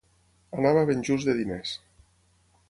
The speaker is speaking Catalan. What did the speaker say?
Anava ben just de diners.